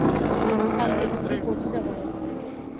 কালকের কধ্যে পৌছে যাব হয়তো।